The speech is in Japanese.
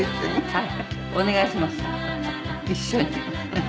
はい。